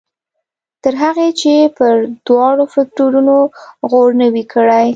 تر هغې چې پر دواړو فکټورنو غور نه وي کړی.